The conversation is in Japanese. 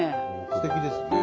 すてきですね。